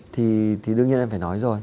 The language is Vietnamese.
thì đương nhiên em phải nói rồi